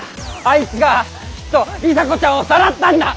あいつがきっと里紗子ちゃんをさらったんだ！